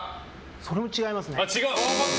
それも違いますね。